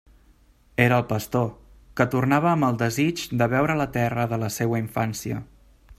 Era el pastor, que tornava amb el desig de veure la terra de la seua infància.